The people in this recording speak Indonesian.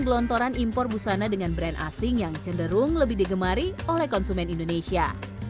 gelontoran impor busana dengan brand asing yang cenderung lebih digemari oleh konsumen indonesia